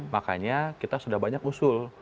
makanya kita sudah banyak usul